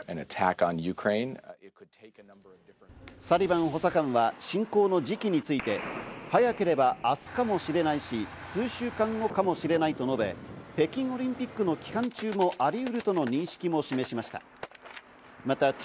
サリバン補佐官は侵攻の時期について早ければ明日かもしれないし、数週間後かもしれないと述べ、北京オリンピックの期間中もありうるとの認識も示しました。